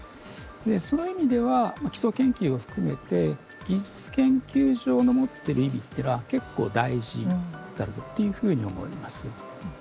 その意味では、基礎研究を含めて技術研究所の持ってる意味というのは結構、大事だろうというふうに思います。